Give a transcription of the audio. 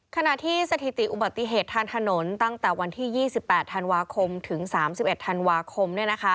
ขณะที่สถิติอุบัติเหตุทางถนนตั้งแต่วันที่๒๘ธันวาคมถึง๓๑ธันวาคม